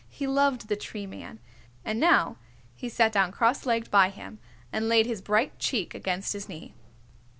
He loved the Tree Man, and now he sat down cross legged by him, and laid his bright cheeck against his knee.